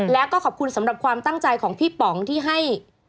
แล้วก็ขอบคุณสำหรับความตั้งใจของพี่ป๋องที่ให้